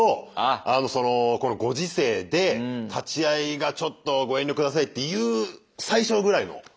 あのそのこのご時世で立ち会いがちょっとご遠慮下さいっていう最初ぐらいの。